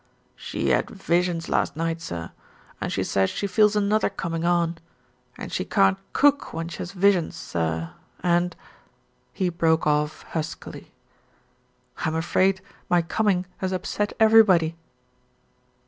"She had visions last night, sir, and she says she feels another coming on, and she can't cook when she has visions, sir, and " He broke off huskily. "I'm afraid my coming has upset everybody."